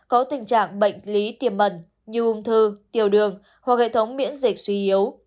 có tình trạng bệnh lý tiềm mẩn như ung thư tiểu đường hoặc hệ thống miễn dịch suy yếu